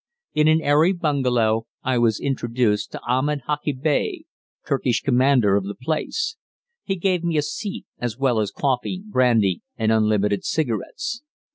In an airy bungalow I was introduced to Ahmed Hakki Bey, Turkish commandant of the place. He gave me a seat as well as coffee, brandy, and unlimited cigarettes.